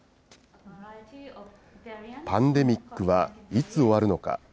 パンデミックはいつ終わるのか。